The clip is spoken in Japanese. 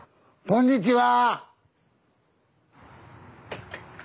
こんにちは。